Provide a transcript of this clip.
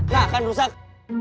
nah kan rusak